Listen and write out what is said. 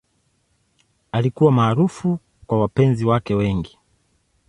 Alikuwa maarufu kwa wapenzi wake wengi.